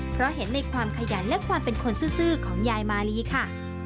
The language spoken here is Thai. เพราะเห็นในความขยันและความเป็นคนซื่อของยายมาลีค่ะ